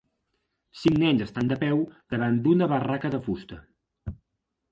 Cinc nens estan de peu davant d'una barraca de fusta.